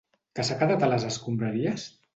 Que s'ha quedat a les escombraries?